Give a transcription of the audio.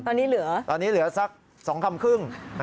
ตอนนี้เหลือตอนนี้เหลือสัก๒คำครึ่ง